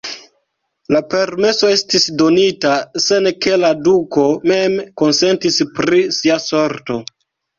La permeso estis donita, sen ke la duko mem konsentis pri sia sorto.